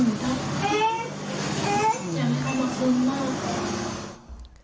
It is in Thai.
อยากจะไปฟื้นทุกอย่างมาก